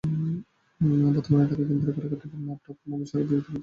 বর্তমানে ঢাকা কেন্দ্রীয় কারাগারে আটক মোবাশ্বেরের বিরুদ্ধে বাংলাদেশে দুটি মামলা বিচারাধীন।